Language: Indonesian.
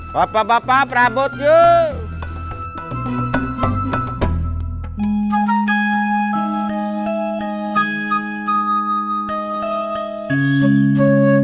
papa papa prabut yuk